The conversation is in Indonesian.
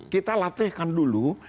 kita latihkan dulu di timnya